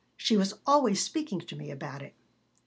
She was always speaking to me about it."